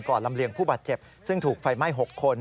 ลำเลียงผู้บาดเจ็บซึ่งถูกไฟไหม้๖คน